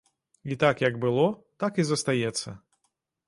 І так, як было, так і застаецца.